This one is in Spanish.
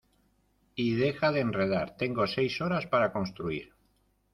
y deja de enredar. tengo seis horas para construir